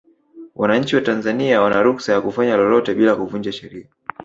wananchi wa tanzania wana ruksa ya kufanya lolote bila kuvunja sheria